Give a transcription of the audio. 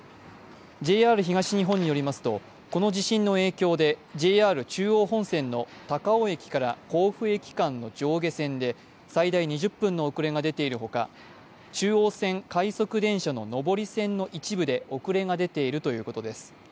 ＪＲ東日本によりますと、この地震の影響でＪＲ中央本線の高尾駅から甲府駅間の上下線で最大２０分の遅れが出ている他、中央線快速電車の上り線の一部で遅れが出ているということです。